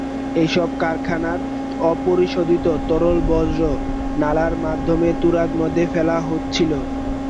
এসব কারখানার অপরিশোধিত তরল বর্জ্য নালার মাধ্যমে তুরাগ নদে ফেলা হচ্ছিল।